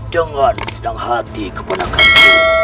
jangan sedang hati ke penakamu